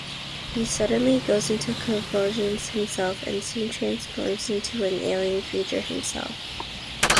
He suddenly goes into convulsions himself and soon transforms into an alien creature himself.